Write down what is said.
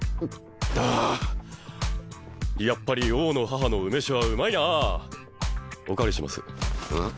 やっぱり大野母の梅酒はうまいなあおかわりしますうん？